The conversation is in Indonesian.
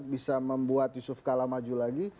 bisa membuat yusuf kala maju lagi